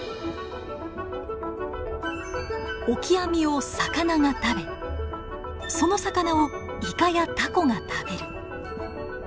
オキアミを魚が食べその魚をイカやタコが食べる。